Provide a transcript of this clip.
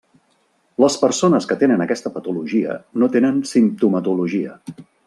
Les persones que tenen aquesta patologia no tenen simptomatologia.